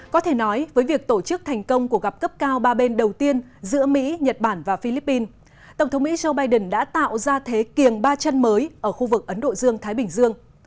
có thể nói với việc tổ chức thành công của gặp cấp cao ba bên đầu tiên giữa mỹ nhật bản và philippines tổng thống mỹ joe biden đã tạo ra thế kiềng ba chân mới ở khu vực ấn độ dương thái bình dương